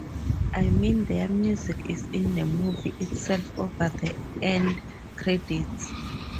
I mean, their music is in the movie itself, over the end credits.